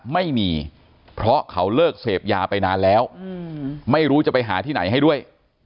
ไม่มีเพราะเขาเลิกเสพยาไปนานแล้วไม่รู้จะไปหาที่ไหนให้ด้วย